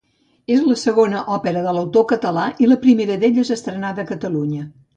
És la segona òpera d'autor català i la primera d'elles estrenada a Catalunya.